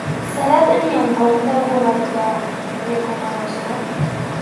S'ha de tenir en compte alguna altra recomanació?